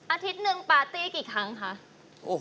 อาทิตย์๑ปาร์ตี้กี่ครั้งค่ะ